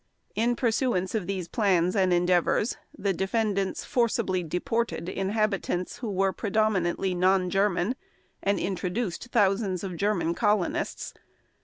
In pursuance of these plans and endeavors, the defendants forcibly deported inhabitants who were predominantly non German and introduced thousands of German colonists.